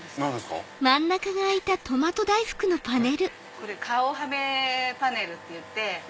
これ顔はめパネルっていって。